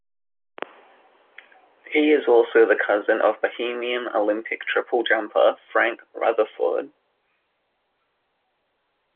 He is also the cousin of Bahamian Olympic triple jumper Frank Rutherford.